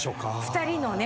２人のね。